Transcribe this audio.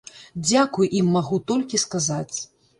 Дзякуй ім магу толькі сказаць.